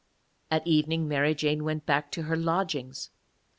At evening Mary Jane went back to her lodgings.